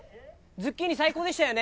ズッキーニ、最高でしたよね。